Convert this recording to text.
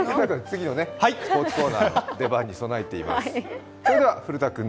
次のスポーツコーナーに備えています。